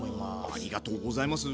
ありがとうございます。